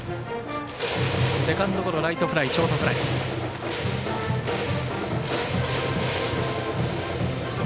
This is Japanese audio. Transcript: セカンドゴロ、ショートフライライトフライ。